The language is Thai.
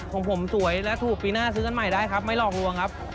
ของผมสวยและถูกปีหน้าซื้อกันใหม่ได้ครับไม่หลอกลวงครับ